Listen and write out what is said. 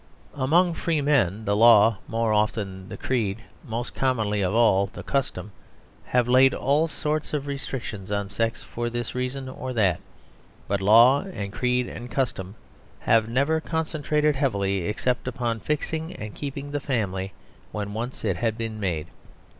Among free men, the law, more often the creed, most commonly of all the custom, have laid all sorts of restrictions on sex for this reason or that. But law and creed and custom have never concentrated heavily except upon fixing and keeping the family when once it had been made.